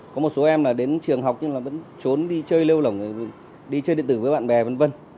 có một số em là đến trường học nhưng là vẫn trốn đi chơi lêu lỏng đi chơi điện tử với bạn bè v v